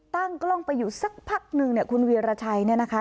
ตั้งกล้องไปอยู่สักพักนึงเนี่ยคุณวีรชัยเนี่ยนะคะ